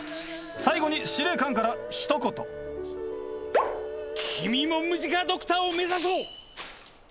最後に司令官からひと言君もムジカドクターを目指そう！